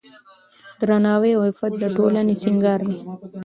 درناوی او عفت د ټولنې سینګار دی.